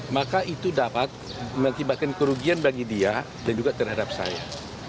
maka itu dapat mengakibatkan kerugian bagi dia dan juga terhadap saya